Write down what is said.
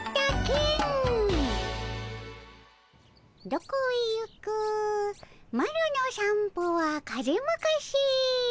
「どこへゆくマロの散歩は風まかせ。